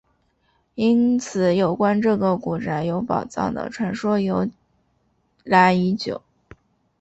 因此有关这个古宅有宝藏的传说由来已久。